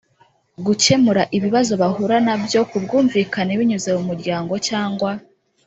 gukemura ibibazo bahura nabyo ku bwumvikane binyuze mu muryango cyangwa